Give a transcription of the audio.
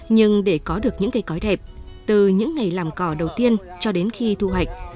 nhưng để có được những cây cõi đẹp từ những ngày làm cỏ đầu tiên cho đến khi thu hoạch